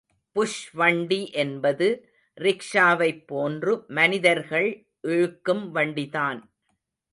புஷ்வண்டி என்பது ரிக்ஷாவைப் போன்று மனிதர்கள் இழுக்கும் வண்டிதான்.